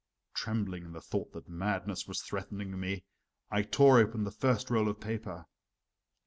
Trembling in the thought that madness was threatening me, I tore open the first roll of paper.